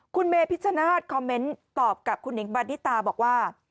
คุณเมพิชชนาทคอมเม้นต์ตอบกับคุณเนคมาตไดตาบอกว่า